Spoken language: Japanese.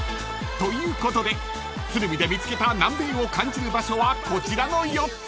［ということで鶴見で見つけた南米を感じる場所はこちらの４つ］